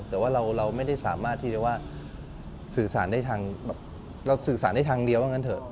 แต่ว่าเราไม่ได้สามารถที่จะว่าสื่อสารได้ทางเดียวอย่างนั้นเถอะ